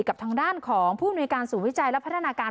กับทางด้านของผู้มนุยการศูนย์วิจัยและพัฒนาการ